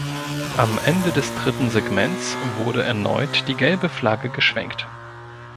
Am Ende des dritten Segments wurde erneut die gelbe Flagge geschwenkt.